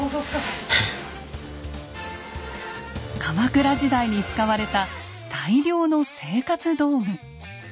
鎌倉時代に使われた大量の生活道具。